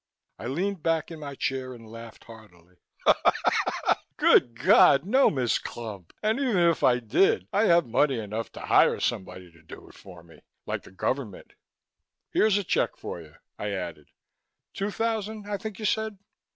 I leaned back in my chair and laughed heartily. "Good Lord, no! Miss Clump. And even if I did I have money enough to hire somebody to do it for me like the government. Here's a check for you," I added. "Two thousand, I think you said."